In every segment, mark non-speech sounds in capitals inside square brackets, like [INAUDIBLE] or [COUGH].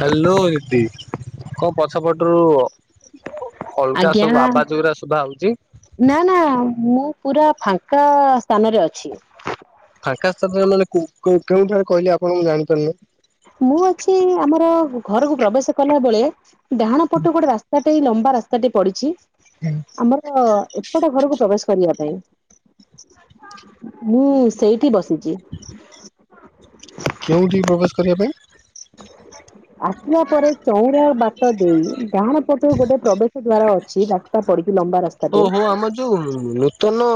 Hello ଇଦି କ ପଛପଟରୁ ଅଲଗା ସବୁ ଆବାଜ ଉରା ଶୁଭା ହଉଚି। ନାଁ ନାଁ ମୁଁ ପୁରା ଫାଙ୍କା ସ୍ଥାନରେ ଅଛି। ଫାଙ୍କା ସ୍ତାନ ଏ ନଲେ କୋଉ କୋଉ କେଉଁଠାରେ କହିଲେ ଆପଣ ମୁଁ ଜାଣିପାରୁନେଇ। ମୁଁ ଅଛି ଆମର ଘରକୁ ପ୍ରବେଶ କଲା ବେଳେ ଡାହାଣ ପଟୁ ଗୋଟେ ରାସ୍ତାଟେଇ ଲମ୍ବା ରା ସ୍ତାଟେ ପଡ଼ିଛି। ଜ୍ଞା ଆମର ଏପଟ ଘରୁକୁ ପ୍ରବେଶ କରିବା ପାଇଁ। ମୁଁ ସେଇଠି ବସିଚି। କେଉଁଠି ପ୍ରବେଶ କରିବା ପାଇଁ। ଆସିଲା ପରେ ଚଉଁରା ବାଟ ଦେଇ ଡାହାଣ ପଟୁକୁ ଗୋଟେ ପ୍ରବେଶ ଦ୍ଵାର ଅଛି। ତା ଟା ପଡ଼ିକି ଲମ୍ବା ରାସ୍ ଓ ହୋ ଆମର ଯୋଉ ନୂତନ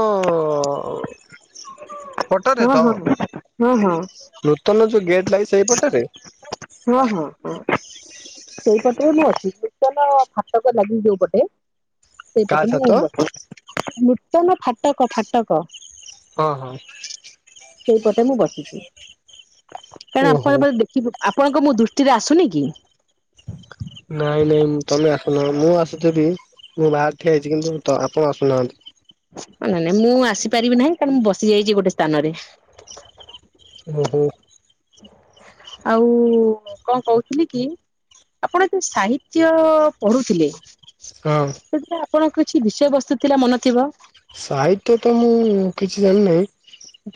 ପଟରେ ହଁ ତ ହଁ ହଁ ହଁ ହଁ ନୂତନ ଯୋଉ ଗେଟ ଲାଗିଚି ସେଇ ପଟରେ। ହଁ ହଁ ହଁ। ସେଇପଟରେ ମୁଁ ଅଛି ନୂତଲ ଫାଟକ ଲାଗିଚି ଯୋଉ ପଟେ। କାହା ସେଇପଟେ ଛାତ ମୁଁ [UNINTELLIGIBLE] ନୂତନ ଫାଟକ ଫାଟକ। ହଁ ହଁ। ସେଇପଟେ ମୁଁ ବସିଛି କାରଣ ଓହୋ ଆପଣ ଦେଖିଥିବେ ଆପଣଙ୍କୁ ମୁଁ ଦୃଷ୍ଟିରେ ଆସୁନି କି? ନାଇଁ ନାଇଁ ମୁଁ ତମେ ଆସୁନା ମୁଁ ଆସୁଥିବି ମୁଁ ବାହାରାରେ ଠିଆ ହେଇଛି କିନ୍ତୁ ତ ଆପଣ ଆସୁନାହାନ୍ତି। ନାଇଁ ନାଇଁ ମୁଁ ଆସିପାରିବି ନାହିଁ କାରଣ ମୁଁ ବସି ଯାଇଚି ଗୋଟେ ସ୍ଥାନରେ। ଓହୋ। ଆଉ କଣ କହୁଥିଲି କି? ଆପଣ ଏତେ ସାହିତ୍ୟ ପଢୁଥିଲେ। ହଁ ସେଥିରେ ଆପଣଙ୍କ କିଛି ବିଷୟବସ୍ତୁ ଥିଲା ମନ ଥିବ। ସାହିତ୍ୟ ତ ମୁଁ କିଛି ଜାଣିିନାହିଁ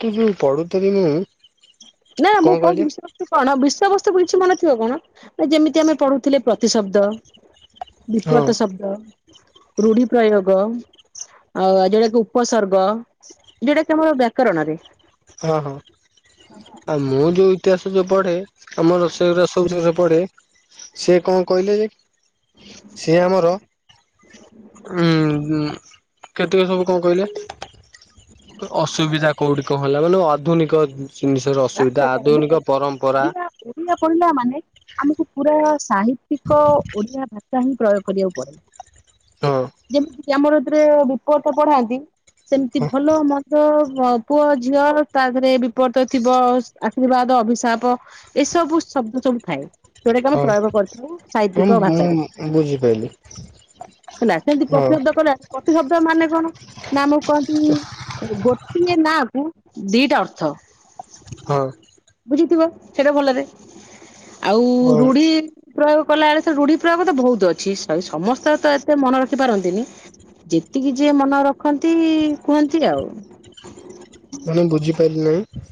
କିନ୍ତୁ ଯୋଉ ପଡୁଥିଲି ମୁଁ ନା କଣ ମୁଁ କୋଉ କହିଲେ [UNINTELLIGIBLE] କଣ ବିଷୟବସ୍ତୁ କିଛି ମନେ ଥିବ କଣ ନା ଯେମିତି ଆମେ ପଢୁଥିଲେ ପ୍ରତିଶବ୍ଦ। ହଁ ବିପରିତ ଶବ୍ଦ। ରୁଢି ପ୍ରୟୋଗ ଆଉ ଆଉ ଯୋଉଟା ଉପସର୍ଗ। ଯୋଉଟାକି ତୁମର ବ୍ୟାକରଣ ରେ। ହଁ ହଁ। ଆଉ ମୁଁ ଯୋଉ ଇତିହାସ ଯୋଉ ପଢେ ଆମ ର ସେଉରା ସବୁ ଯୋଉ ପଢେ। ସିଏ କଣ କହିଲେ ଯେ ସିଏ ଆମର ଉଁହୁଁ କେତକ ସବୁ କଣ କହିଲେ? ଅସୁବିଧା କୋଉଠି କଁ ହେଲା ମାନେ ଆଧୁନିକ ଜିନିଷର ଅସୁବିଧା ଆଧୁନିକ ପରମ୍ପରା ଓଡିଆ ପଢିଲା ମାନେ ଆମକୁ ପୁରା ସାହିତ୍ୟିକ ଓଡିଆ ଭାଷା ହିଁ ପ୍ରୟୋଗ କରିବାକୁ ପଡେ ହଁ ଯେମିତି ଆମର ଏଥିରେ ବିପରିତ ପଢାନ୍ତି। ସେମିତି ହଁ ଭଲ ମନ୍ଦ ଅ ପୁଅ ଝିଅ ତା ଦେହରେ ବିପରିତ ଥିବ ଆଶୀର୍ବାଦ ଅଭିଶାପ ଏସବୁ ଶବ୍ଦ ସବୁ ଥାଏ। ଯଉଟାକି ଆମେ ହଁ ପ୍ରୟୋଗ କରିଥାଉ ହଁ ସାହିତ୍ୟିକ ଭାଷାରେ। ମୁଁ ବୁଝିପାରିଲି ହେଲା ସେମିତି ହଁ ପ୍ରତିଶବ୍ଦ କଲେ ପ୍ରତିଶବ୍ଦ ମାନେ କଣ ନା ଆମକୁ କହନ୍ତି ଗୋଟିଏ ନାଁ କୁ ଦିଟା ଅର୍ଥ। ହଁ। ବୁଝିଥିବ ସେଇଟା ଭଲରେ ଆଉ ହଁ ରୁଢି ପ୍ରୟୋଗ କଲା ବେଳେ ସେ ରୁଢି ପ୍ରୟୋଗ ତ ବହୁତ ଅଛି ସମସ୍ତେ ତ ଏତେ ମନ ରଖି ପାରନ୍ତିନି। ଯେତିକି ଯିଏ ମନେ ରଖନ୍ତି କୁହନ୍ତି ଆଉ। ମାନେ ବୁଝିପାଇଲି ନାହିଁ।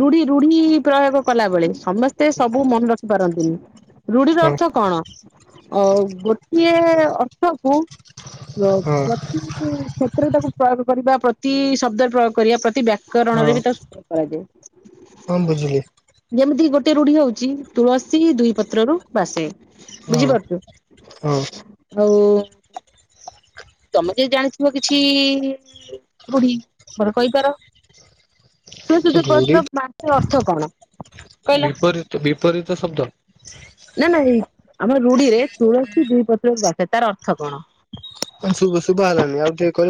ରୁଢି ରୁଢି ପ୍ରୟୋଗ କଲା ବେଳେ ସମସ୍ତେ ସବୁ ମନେ ରଖି ପାରନ୍ତିନି। ରୁଢିର ହଁ ଅର୍ଥ କଣ ଗୋଟିଏ ଅର୍ଥକୁ ହଁ ପ୍ରତି କ୍ଷେତ୍ରରେ ତାକୁ ପ୍ରୟୋଗ କରିବା ପ୍ରତି ଶବ୍ଦରେ ପ୍ରୟୋଗ କରିବା ପ୍ରତି ବ୳ ହଁ କରଣରେ ବି ତାକୁ ସୂତ୍ର କରାଯାଏ। ହଁ ବୁଝିଲି। ଯେମିତି ଗୋଟିଏ ରୁଢି ହଉଛି ତୁଳସୀ ଦୁଇ ପତ୍ର ରୁ ବାସେ ହଁ ବୁଝିପାରୁଛୁ ହଁ ଆଉ ତମେ ଯଦି ଜାଣିଥିବ କିଛି ରୁଢୀ ମତେ କହିପାର। ତୁଳସି ଦୁଇ ପତ୍ର ରୂଢ଼ି ରୁ ବାସେ ର ଅର୍ଥ କଣ? କହିଲ? ବିପରୀତ ବିପରୀତ ଶବ୍ଦ। ନା ନାଇଁ ଆମ ରୁଢିରେ ତୁଳସୀ ଦିଇ ପତ୍ରକୁ ବାସେ ତାର ଅର୍ଥ କଣ? ଶୁଭ ଶୁଭା ଗଲାନି ଆଉ ଥରେ କ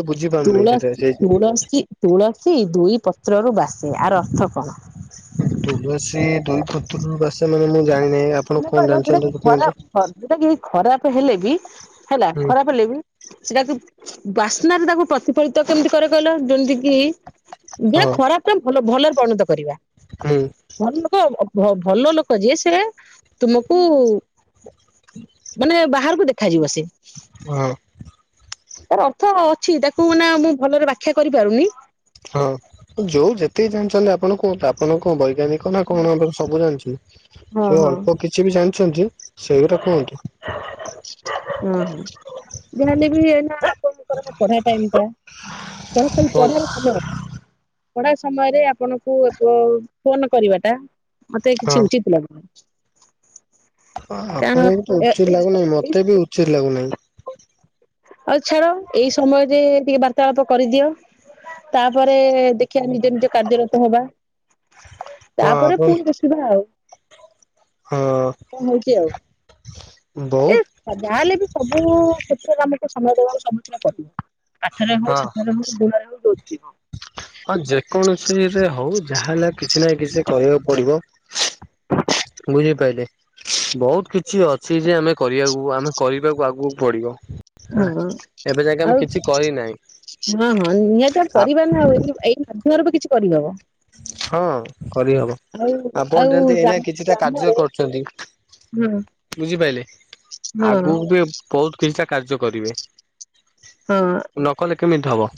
ତୁଳଶୀ ତୁଳସୀ ତୁଳସୀ ଦୁଇ ପତ୍ରରୁ ବାସେ ଆର ଅର୍ଥ କଣ? ତୁଳସୀ ଦୁଇପୁତ୍ର ବାସେ ମାନେ ମୁଁ ଜାଣିନାହିଁ ଆପଣ କଣ ଜାଣିଛନ୍ତି ତ କୁହନ୍ତୁ। ଯେଉଟା କି ଖରାପ ହେଲେ ବି ହେଲା ହୁଁ ଖରାପ ହେଲେ ବି ସେଟା ଯୋଉ ବାସେ। ରେ ତାକୁ ପ୍ରତିଫଳିତ କେମିତି କରେ କହିଲ ଯେମିତି କି ଯେ ହଁ ଖରାପ ଭଲ ଭଲରେ ପରିଣତ କରିବା। ହୁଁ ଭଲ ଲୋକ ଭଲ ଲୋକ ଯିଏ ସେଟା ତୁମକୁ ମାନେ ବାହାରକୁ ଦେଖାଯିବ ସେ। ହଁ ଅର୍ଥ ଅଛି ତାକୁ ମାନେ ମୁଁ ଭଲରେ ବ୍ୟାଖ୍ୟା କରିପାରୁନି। ହଁ ଯୋଉ ଯେତକି ଜାଣିଛନ୍ତି ଆପଣ କୁହନ୍ତୁ ଆପଣ କଣ ବୈଜ୍ଞାନିକ। ନା କଣ ତ ସବୁ ଜାଣିଛି ହଁ ସେ ହଁ ଅଳ୍ପ କିଛି ବି ଜାଣିଛନ୍ତି। ସେଇ ରା କୁହନ୍ତୁ। ହଁ ହଁ ଯହେଲେ ବି ଏଇନା ଆପଣଙ୍କ ର ପଢା ଟାଇମ ଟା ତେଣୁକରି ହଁ। ପଢାରେ ଭଲ। ପଢା ସମୟରେ ଆପଣଙ୍କୁ ଫୋନ କରିବାଟା ମତେ ହଁ କିଛି ଉଚିତ ଲାଗୁନି। କାରଣ ଆପଣଙ୍କୁ ବି ତ ଏ ଉଚିତ୍ ଲାଗୁନାହିଁ ମତେ ବି ଉଚିତ୍ ଲାଗୁନାହିଁ। ଆଉ ଛାଡ ଏଇ ସମୟରେ ଟିକେ ବାର୍ତ୍ତାଳାପ କରିଦିଅ। ତାପରେ ଦେଖିବା ନିଜ ନିଜ କାର୍ଯ୍ୟରତ ହବା। ହଁ ତାପରେ ଆପଣ ପୁଣି ବସିବା ଆଉ। ହଁ କଣ ହଉଚି ଆଉ ଏ ବହୁତ ଯାହାହେଲେ ବି ସବୁ କ୍ଷେତ୍ରରେ ଆମକୁ ସମୟ ଦେବାକୁ ସମସ୍ୟା ପଡିବ। ପାଠ ରେ ହଉ ହଁ ସାଠ ରେ ହଉ ଦୋରେ ହଉ ଯୋଉଥିରେ ହଉ। ହଁ ଯେକୌଣସି ରେ ହଉ ଯାହା ହେଲେ କିଛି ନା କିଛି କରିବାକୁ ପଡିବ। ବୁଝିପାରିଲେ। ବହୁତ କିଛି ଅଛି ଯେ ଆମେ କରିବାକୁ ଆମେ କରିବାକୁ ଆଗକୁ ପଡିବ। ହଁ ଏବେ ଯାକେ ଆମେ ଆଉ କିଛି କରିନାହିଁ ହଁ ହଁ ନିହାତି ଆ ପରିବାର ନା ଆଉ ଏଇ। [INAUDIBLE] ବି କିଛି କରିହବ। ହଁ କରିହବ ଆଉ ଆପଣ ଆଉ ଯେମିତି ଗ୍ରାମ ଏଇନା କିଛିଟା କାର୍ଯ୍ୟ ଗ୍ରାମରେ କରୁଛନ୍ତି। ହଁ ବୁଝିପାରଲେ ହଁ ଆଗକୁ ବି ବହୁତ କିଛିଟା କାର୍ଯ୍ୟ କରିବେ ହଁ ନ କଲେ କେମିତି ହବ।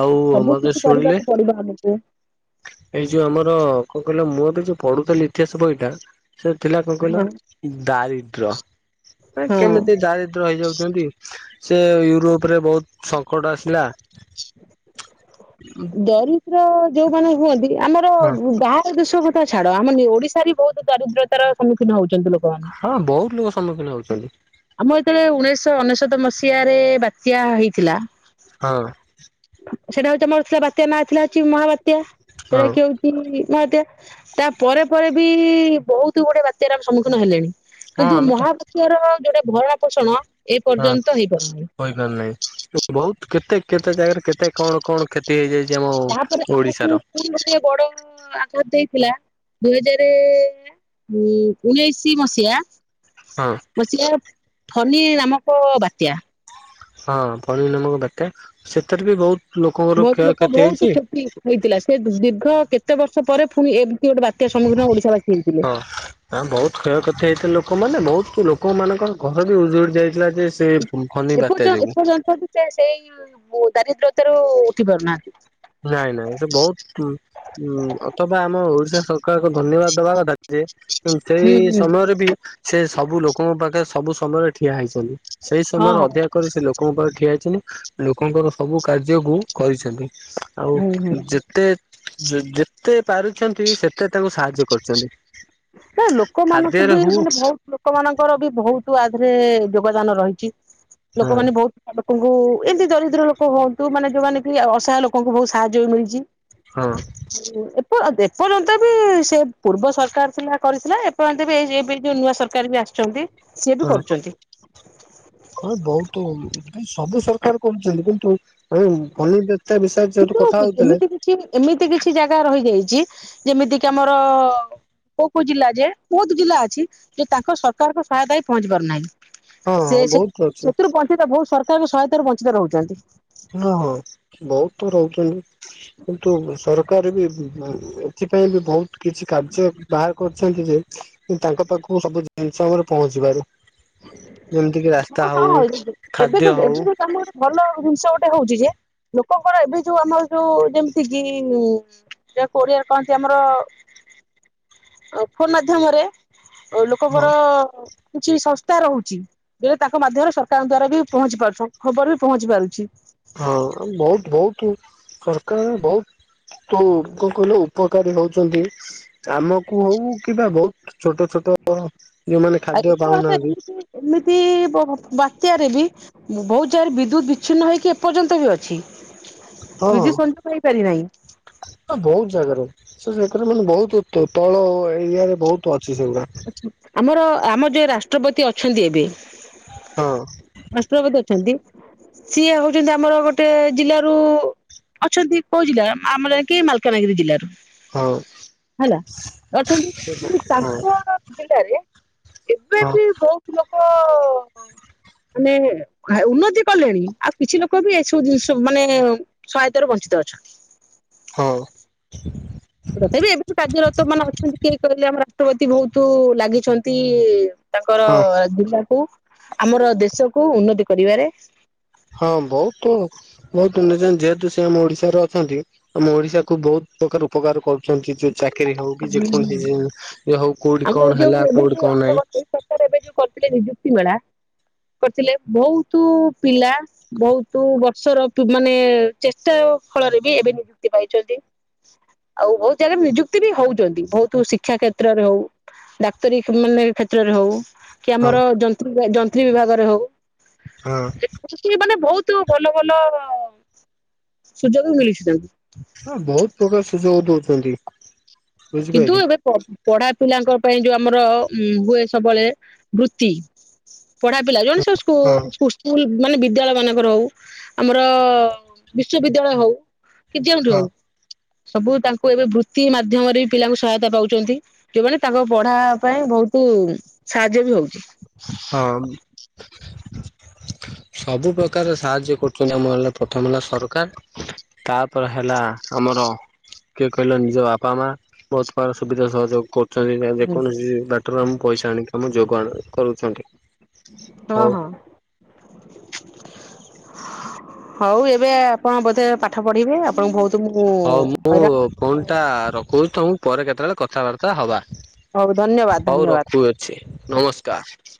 ଆଉ ସବୁ ମଧ୍ୟ କିଛି ଶୁଣିଲେ। କରିବାକୁ [UNINTELLIGIBLE] ଏଇ ଯୋଉ ଆମର କଣ କହିଲ ମୁଁ ଏବେ ଯୋଉ ପଢୁଥିଲି ଇତିହାସ ବହିଟା ସେ ଥିଲା କଣ କହିଲ। ହଁ ଦାରିଦ୍ର୍ୟ ହଁ କେମିତି ଦାରିଦ୍ର୍ୟ ହେଇଯାଉଛନ୍ତି। ସେ ୟୁରୋପ ରେ ବହୁତ ସଙ୍କଟ ଆସିଲା। ଦରିଦ୍ର ଯୋଉମାନେ ହୁଅନ୍ତି ଆମର ହଁ ବାହା ର ଦେଶ କଥା ଛାଡ ଆମ ଓଡିଶାରେ ବି ବହୁତ ଦାରିଦ୍ରତାର ସମ୍ମୁଖୀନ ହଉଛନ୍ତି ଲୋକମାନେ। ହଁ ବହୁତ ଲୋକ ସମ୍ମୁଖୀନ ହଉଛନ୍ତି। ଆମ ଯେତେବେଳେ ଉଣେଇଶଶହ ଅନେଶତ ମସିହାରେ ବାତ୍ୟା ହେଇଥିଲା। ହଁ। ସେଇଟା ହଉଛି ଆମର ଥିଲା ବାତ୍ୟା ନାଁ ଥିଲା ହଉଛି ମହାବାତ୍ୟା ହଁ ସେଟା କିଏ ହଉ ବାତ୍ୟା ତା ପରେ ପରେ ବି ବହୁତ ଗୁଡଏ ବାତ୍ୟାରେ ଆମେ ସମ୍ମୁଖୀନ ହେଲେଣି। ହଁ କିନ୍ତୁ ଆମେ ତ ମହାବାତ୍ୟା ର ଯୋଉଟା ଭରଣ ପୋଷଣ ଏ ପର୍ଯ୍ୟନ୍ତ ହେଇ ପାରୁନାହିଁ। ହୋଇପାରିନାହିଁ ବହୁତ କେତେ କେତେ ଜାଗାରେ କେତେ କଣ କଣ କ୍ଷତି କ୍ଷତି ହେଇଯାଇଛି ଆମ ଓଡିଶାର। ଫୁଣି ଗୋଟେ ବଡ ଆଘାତ ଦେଇଥିଲା ଦୁଇ ହଜାରେ ହଁ ଉଣେଇଶି ମସିହା ହଁ ମସିହା ଫନି ନାମକ ବାତ୍ୟା। ହଁ ପନି ନାମକ ବାତ୍ୟା ସେଥିରେ ବି ବହୁତ ଲୋକଙ୍କର ବହୁତ ଲୋକ କ୍ଷୟକ୍ଷତି ବହୁତ ହେଇଛି। କ୍ଷତି ହେଇଥିଲା ସେ ଦୀର୍ଘ କେତେ ବର୍ଷ ପରେ ପୁଣି ଏମିତି ଗୋଟେ ବାତ୍ୟା ସମ୍ମୁଖୀନ ଓଡିଶାବାସୀ ହେଇଥିଲେ। ହଁ ବହୁତ କ୍ଷୟକ୍ଷତି ହେଇଥିଲା ଲୋକମାନେ ବହୁତ ଲୋକ ମାନଙ୍କର ଘର ବି ଉଜୁଡି ଯାଇଥିଲା ଯେ ସେ ଫନି ବାତ୍ୟା ଏପର୍ ଯୋଗୁ ଏପର୍ଯ୍ୟନ୍ତ ଅଛନ୍ତି ସେ ସେଇ ଦାରିଦ୍ର୍ୟତାରୁ ଉଠି ପାରୁନାହାନ୍ତି। ନାଇଁ ନାଇଁ ସେ ବହୁତ ହୁଁ ଅଥବା ଆମ ଓଡିଶା ସରକାରଙ୍କୁ ଧନ୍ୟବାଦ ଦବା କଥା ଯେ ହଁ ସେଇ ହୁଁ ହୁଁ। ସମୟରେ ବି ସେ ସବୁ ଲୋକଙ୍କ ପାଖରେ ସବୁ ସମୟରେ ଠିଆ ହେଇଛନ୍ତି ସେଇ ହଁ ସମୟରେ ହଁ ଅଧିକା କରି ସେ ଲୋ ଲୋକଙ୍କ ପାଖରେ ଠିଆ ହୋଇଛନ୍ତି ଲୋକଙ୍କର ସବୁ କାର୍ଯ୍ୟକୁ କରିଛନ୍ତି ଆଉ ହୁଁ ହୁଁ। ଯେ ଯେତେ ଯେତେ ପାରୁଛନ୍ତି ସେତେ ତାଙ୍କୁ ସାହାଯ୍ୟ କରୁଛନ୍ତି। ନା ଲୋକମାନଙ୍କୁ ଖାଦ୍ୟରେ ବି ହଉ ମାନେ ବହୁତ୍ ଲୋକମାନଙ୍କର ବି ବହୁତ ଆଦେହରେ ଯୋଗଦାନ ରହିଛି ହଁ ଲୋକମାନେ ବହୁତ ଲୋକଙ୍କୁ ଏମିତି ଦରିଦ୍ର ଲୋକ ହୁଅନ୍ତୁ ମାନେ ଯୋଉମାନେ କି ଅସହାୟ ଲୋକଙ୍କୁ ବି ବହୁତ ସାହାଯ୍ୟ ମିଳିଛି। ହଁ। ଏପର୍ଯ୍ୟନ୍ତ ବି ସେ ପୂର୍ବ ସରକାର ଥିଲା। କରିଥିଲା ଏପର୍ଯ୍ୟନ୍ତ ବି ଏଇ ଏବେ ଯୋଉ ନୂଆ ସରକାର ବି ଆସିଛନ୍ତି ସିଏ ବି ହଁ କରୁଛନ୍ତି। ହଁ ବହୁତ ଏ ସବୁ ସରକାର କରୁଛନ୍ତି କିନ୍ତୁ ଆଉ ଫନି ବାତ୍ୟା ବିଷୟରେ ଯୋଉଠୁ କଥା କିନ୍ତୁ ହଉଥିଲେ? ଏମିତି କିଛି ଏମିତି କିଛି ଜାଗା ରହିଯାଇଛି ଯେମିତି କିି ଆମର କୋଉ କୋଉ ଜିଲ୍ଲା ଯେ ବହୁତ୍ ଜିଲ୍ଲା ଅଛି ଯେ ତାଙ୍କ ସରକାରଙ୍କ ସହାୟତା ହଁ ପହଞ୍ଚି ହଁ ପାରୁନାହିଁ। ସେ ହଁ ବହୁତ ଅଛି। ସେଥିରୁ ବଞ୍ଚିତ ବହୁତ ସରକାରଙ୍କ ସହାୟତାରୁ ବଞ୍ଚିତ ରହୁଛନ୍ତି। ହଁ ହଁ ବହୁତ ତ ରହୁଛନ୍ତି କିନ୍ତୁ ସରକାର ବି ସେଥିପାଇଁ ବି ବହୁତ କିଛି କାର୍ଯ୍ୟ ବାହାର କରିଛନ୍ତି ଯେ ତାଙ୍କ ପାଖକୁ ସବୁ ଜିନିଷ ଆମର ପହଞ୍ଚିପାରୁ। ଯେମିତି କିି ରାସ୍ତା ହଁ ହଉ ହଁ ଏବେ ତ ଖାଦ୍ୟ ଏବେ ହଉ ଯୋଉ ଆମ ଗୋଟେ ଭଲ ଜିନିଷ ଗୋଟେ ହଉଛି ଯେ ଲୋକଙ୍କର ଏବେ ଯୋଉ ଆମର ଯୋଉ ଯେମିତି କିି କୋଆ [UNINTELLIGIBLE] କହନ୍ତି ଆମର ଫୋନ ମାଧ୍ୟମରେ। ହଁ ଲୋକଙ୍କର କିଛି ସ ରହୁଛି ଯେ ତାଙ୍କ ମାଧ୍ୟମରେ ସରକାରଙ୍କ ଦ୍ଵାରା ବି ପହଞ୍ଚି ପାରୁଛ ଖବର ବି ପହଞ୍ଚି ପାରୁଛି। ହଁ ବହୁତ ବହୁତ ସରକାର ବହୁତ ତ କଣ କହିଲେ ଉପକାରୀ ହଉଛନ୍ତି। ଆମକୁ ହଉ କିିବା ବହୁତ ଛୋଟ ଛୋଟ ଯୋଉମାନେ ଆଉ ଖାଦ୍ୟ ଏତେ ବାଟ ପାଉନାହାନ୍ତି। ଏମିତି ଏମିତି ବାତ୍ୟାରେ ବି ବହୁତ ଜାଗାରେ ବିଦ୍ୟୁତ ବିଚ୍ଛିନ୍ନ ହେଇକି ଏପର୍ଯ୍ୟନ୍ତ ବି ଅଛି। ବିଦ୍ୟୁତ ସଂଯୁକ୍ତ ହେଇପାଇପାରି ନାହିଁ। ଆ ବହୁତ ଜାଗାରେ ସେ ଯାଗାରେ ମାନେ ବହୁତ ତଳ ଏରିଆରେ ବହୁତ ଅଛି ସେଗୁରା। ଆମର ଆମ ଯୋଉ ରାଷ୍ଟ୍ରପତି ଅଛନ୍ତି ଏବେ। ହଁ। ରାଷ୍ଟ୍ରପତି ଅଛନ୍ତି ସିଏ ହଉଛନ୍ତି ଆମର ଗୋଟେ ଜିଲ୍ଲାରୁ ଅଛନ୍ତି କୋଉ ଜିଲ୍ଲାରୁ ଆମର କି ମାଲକାନଗିରି ଜିଲ୍ଲାରୁ। ହଁ ହେଲା ଅଛନ୍ତି ହଁ ତାଙ୍କ ଜିଲ୍ଲାରେ ଏବେ ହଁ। ବି ବହୁତ ଲୋକ ମାନେ ଉନ୍ନତି କଲେଣି ଆଉ କିଛି ଲୋକ ବି ଏସବୁ ଜିନିଷ ମାନେ ସହାୟତାରୁ ବଞ୍ଚିତ ଅଛନ୍ତି। ହଁ। ତଥାପି ଏବେଠୁ କାର୍ଯ୍ୟରତ ମାନ ଅଛନ୍ତି କିଏ କହିଲେ ଆମ ରାଷ୍ଟ୍ରପତି ବହୁତୁ-ଉ-ଉ-ଉ ଲାଗିଛନ୍ତି-ଇ-ଇ-ଇ ହଁ ତାଙ୍କର-ଅ-ଅ-ଅ ଜିଲ୍ଲାକୁ ଆମର ଦେଶକୁ ଉନ୍ନତି କରିବାରେ। ହଁ ବହୁତୁ ବହୁତୁ [UNINTELLIGIBLE] ଯେହେତୁ ସେ ଆମ ଓଡିଶାରେ ଅଛନ୍ତି ଆମ ଓଡିଶା କୁ ବହୁତ ପ୍ରକାର ଉପକାର କରୁଛନ୍ତି ଯେ ଚାକିରୀ ହଉ କି ହୁଁ ହୁଁ। ଯେକୌଣସି ହଉ କୋଉଠି ଆମର ଏଇ କଣ ହେଲା ଯୋଉ ଏବେ କୋଉଠି ଯୋଉ କଣ ଆମ ନାହିଁ ଏଇ ସରକାର ଏବେ ଯୋଉ କରିଥିଲେ ନିଯୁକ୍ତି ମେଳା କରିଥିଲେ ବହୁତୁ-ଉ-ଉ ପିଲା ବହୁତୁ ବର୍ଷର ପି ମାନେ-ଏ-ଏ ଚେଷ୍ଟା ଫଳରେ ବି ଏବେ ବି ନିଯୁକ୍ତି ପାଇଛନ୍ତି। ଆଉ ବହୁତ ଜାଗାରେ ନିଯୁ କ୍ତି ବି ହଉଛନ୍ତି ବହୁତୁ ଶିକ୍ଷା କ୍ଷେତ୍ରରେ ହଉ ଡାକ୍ତରୀ ମାନେ କ୍ଷେତ୍ରରେ ହଉ। କି ହଁ ଆମର ଯନ୍ତ୍ରୀ ଯନ୍ତ୍ରୀ ବିଭାଗରେ ହଉ। ହଁ। ସେ ମାନେ ବହୁତୁ ଭଲ ଭଲ ସୁଯୋଗ ମିଳିଛି ତାଙ୍କୁ। ହଁ ବହୁତ ପ୍ରକାର ସୁଯୋଗ ଦଉଛନ୍ତି। କିନ୍ତୁ ବୁଝିପାରିଲି ଏବେ ପ ପଢା ପିଲାଙ୍କ ପାଇଁ ଯୋଉ ଆମର-ଅ-ଅ ଉ-ଉ ହୁଏ ସବୁବେଳେ ବୃତ୍ତି ପଢା ପିଲା ଜଣ ସ ସ୍କୁ ହଁ ସ୍କୁ ସ୍କୁଲ ମାନେ ବିଦ୍ୟାଳୟ ମାନଙ୍କର ହଉ ଆମର-ଅ-ଅ-ଅ ବିଶ୍ୱବିଦ୍ୟାଳୟ ହଉ କି ଯେଉଁଠୁ ହଁ ହଉ ସବୁ ତାଙ୍କୁ ଏବେ ବୃତ୍ତି ମାଧ୍ୟମରେ ବି ପିଲାଙ୍କୁ ସହାୟତା ପାଉଛନ୍ତି। ଯଉମାନେ ତାଙ୍କ ପଢା-ଆ ପାଇଁ ବହୁତୁ ସାହାଯ୍ୟ ବି ହଉଛି। ହଁ। ସବୁ ପ୍ରକାର ସାହାଯ୍ୟ କରୁଛନ୍ତି ଆମ ହେଲା ପ୍ରଥମ ହେଲା ସରକାର ତା ପରେ ହେଲା ଆମର କିଏ କହିଲ ନିଜ ବାପା ମା ବହୁତ ପ୍ରକାର ସୁବିଧା ସହଯୋଗ କରୁ ଛନ୍ତି ନା ଯେକୌଣସି ବାଟର ଆମ ପଇସା ଆଣିକି ଆମ ଯୋଗ ଆଣୁ କରୁଛନ୍ତି। ହଁ ହଉ ହଁ। ହଉ ଏବେ ଆପଣ ବୋଧେ ପାଠ ପଢିବେ ଆପଣଙ୍କୁ ବହୁତ ମୁଁ ହଉ ମୁଁ ହଇରାଣ ଫୋନ ଟା ରଖୁଛି ତମକୁ ପରେ କେତେବେଳେ କଥାବାର୍ତ୍ତା ହବା ହଉ ଧନ୍ୟବାଦ ହଉ ଧନ୍ୟବାଦ। ରଖୁଅଛି ନମସ୍କାର।